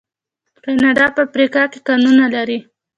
کاناډا په افریقا کې کانونه لري.